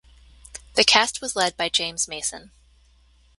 The cast was led by James Mason.